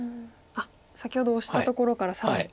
先ほどオシたところから更に。